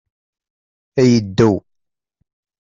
Ay iddew!